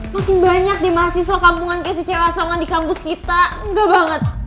makin banyak deh mahasiswa kampungan kayak si cewek asongan di kampus kita nggak banget